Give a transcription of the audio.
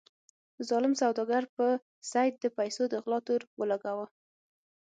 ظالم سوداګر په سید د پیسو د غلا تور ولګاوه.